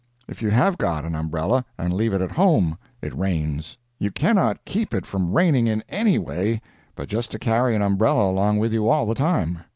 If you have got an umbrella, and leave it at home, it rains. You cannot keep it from raining in any way but just to carry an umbrella along with you all the time.